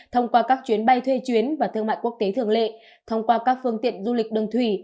thông qua các chuyến bay thuê chuyến và thương mại quốc tế thường lệ thông qua các phương tiện du lịch đường thủy